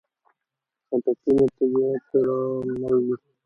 خټکی له طبیعت سره مل دی.